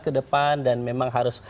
ke depan dan memang harus